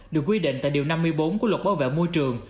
được quy định tại điều năm mươi bốn của luật bảo vệ môi trường